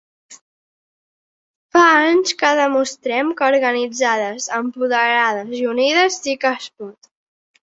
Fa anys que demostrem que organitzades, empoderades i unides, sí que es pot!